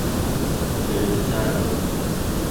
elektado